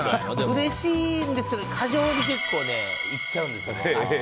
うれしいんですけど過剰に言っちゃうんですよね。